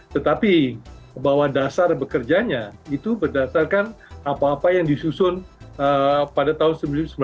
tetapi bahwa dasar bekerjanya itu berdasarkan apa apa yang disusun pada tahun seribu sembilan ratus sembilan puluh